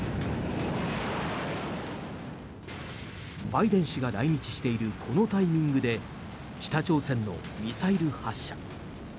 バイデン氏が来日しているこのタイミングで北朝鮮のミサイル発射。